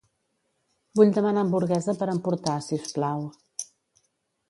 Vull demanar hamburguesa per emportar, si us plau.